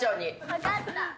分かった。